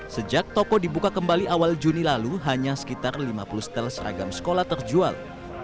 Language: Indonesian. sejak toko dibuka kembali awal juni lalu hanya sekitar lima puluh stel seragam sekolah terjual